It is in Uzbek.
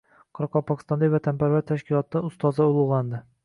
Qoraqalpog‘istondagi “Vatanparvar” tashkilotida ustozlar ulug‘landi